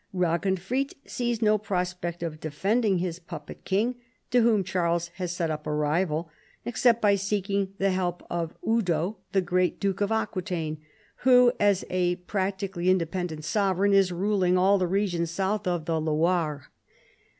E,aginfrid sees no prospect of de fending his puppet king (to whom Charles has set up a rival) except by seeking the help of Eudo, the great Duke of Aquitaine, who as a practically inde pendent sovereign, is ruling all the region south of tiie Loire.